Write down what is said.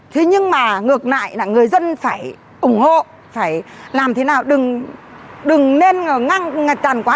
thế nhưng mà ngược lại là người dân phải ủng hộ phải làm thế nào đừng nên ngăn tàn quá